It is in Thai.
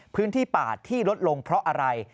พื้นที่ป่าที่ลดลงเพราะอะไร